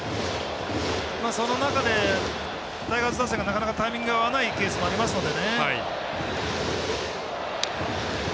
その中で、タイガース打線がなかなかタイミング合わないケースもありますので。